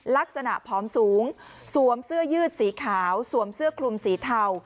ผอมสูงสวมเสื้อยืดสีขาวสวมเสื้อคลุมสีเทา